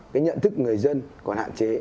cái nhận thức người dân còn hạn chế